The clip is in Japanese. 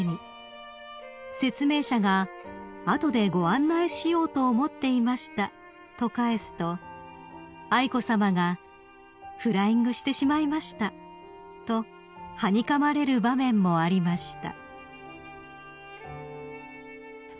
［説明者が「後でご案内しようと思っていました」と返すと愛子さまが「フライングしてしまいました」とはにかまれる場面もありました］